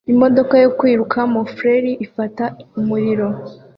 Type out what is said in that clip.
Imodoka yo kwiruka muffler ifata umuriro